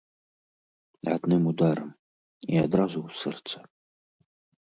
Адным ударам, і адразу ў сэрца.